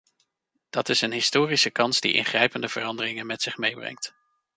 Dat is een historische kans die ingrijpende veranderingen met zich meebrengt.